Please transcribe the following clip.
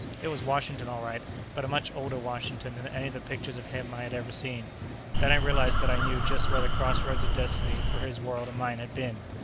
It was Washington, all right, but a much older Washington than any of the pictures of him I had ever seen. Then I realized that I knew just where the Crossroads of Destiny for his world and mine had been.